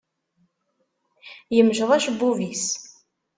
Yemceḍ acebbub-is.